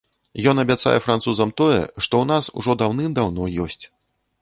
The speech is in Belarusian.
Ён абяцае французам тое, што ў нас ужо даўным даўно ёсць.